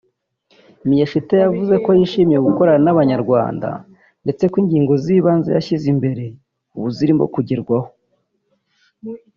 Miyashita yavuze ko yishimiye gukorana n’Abanyarwanda ndetse ko ingingo z’ibanze yashyize imbere ubu zirimo kugerwaho